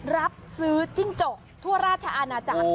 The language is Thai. รับซื้อจิ้งจกทั่วราชอาณาจักร